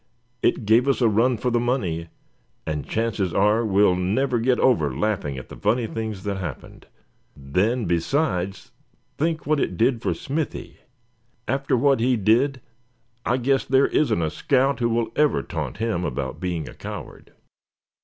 "It gave us a run for the money; and chances are, we'll never get over laughing at the funny things that happened. Then besides think what it did for Smithy! After what he did I guess there isn't a scout who will ever taunt him about being a coward."